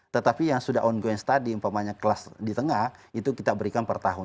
tetapi yang sudah ongoing study pemainnya kelas di tengah itu kita berikan per tahun